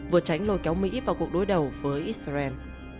vừa tránh lôi kéo mỹ vào cuộc đối đầu với israel